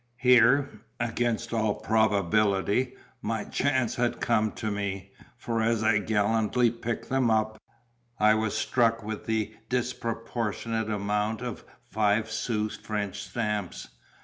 Here, against all probability, my chance had come to me; for as I gallantly picked them up, I was struck with the disproportionate amount of five sous French stamps.